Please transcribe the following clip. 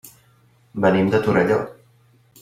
Venim de Torelló.